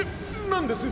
なんです？